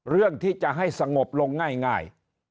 เรื่องที่จะให้สงบลงง่าย